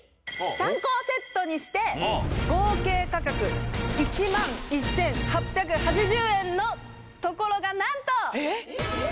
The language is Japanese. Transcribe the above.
３個セットにして合計価格１１８８０円のところが何とえっ？